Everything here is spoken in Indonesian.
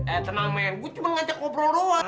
eh tenang men gue cuma ngecek obrol rohan